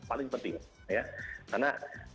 paling penting ya karena